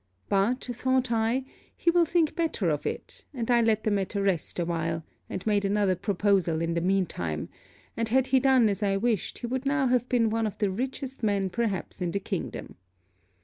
But, thought I, he will think better of it; and I let the matter rest a while; and made another proposal in the mean time, and had he done as I wished he would now have been one of the richest men perhaps in the kingdom.